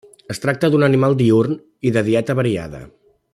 Es tracta d'un animal diürn i de dieta variada.